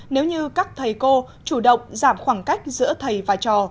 nếu như các thầy cô chủ động giảm khoảng cách giữa thầy và trò